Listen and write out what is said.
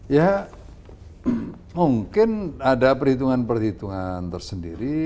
ya mungkin ada perhitungan perhitungan tersendiri